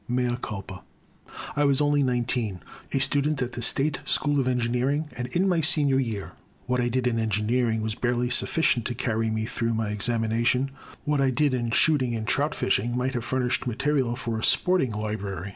Mea culpa I I was only nineteen, a student at the State School of Engineering, and in my senior year. What I did in engineering was barely sufficient to carry me through my examination; what I did in shooting and trout fishing might have furnished material for a sporting library.